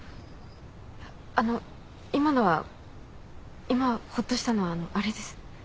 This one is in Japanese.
あの今のは今ほっとしたのはあのあれです。